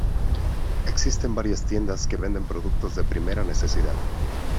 Existen varias tiendas que venden productos de primera necesidad.